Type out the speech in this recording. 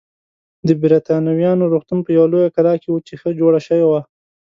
د بریتانویانو روغتون په یوه لویه کلا کې و چې ښه جوړه شوې وه.